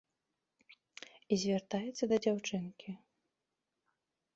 І звяртаецца да дзяўчынкі.